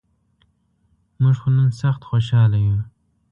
مونږ خو نن سخت خوشال یوو.